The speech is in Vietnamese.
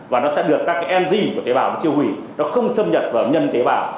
và nó sẽ được các engine của tế bào tiêu hủy nó không xâm nhật vào nhân tế bào